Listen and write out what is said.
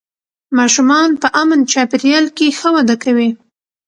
ماشومان په امن چاپېریال کې ښه وده کوي